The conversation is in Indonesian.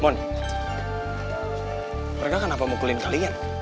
mon mereka kenapa mukulin kalian